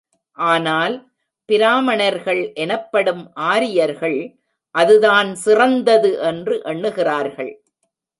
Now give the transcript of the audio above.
ஆனால், பிராமணர்கள் எனப்படும் ஆரியர்கள் அதுதான் சிறந்தது என்று எண்ணுகிறார்கள்.